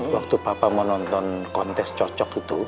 waktu papa mau nonton kontes cocok itu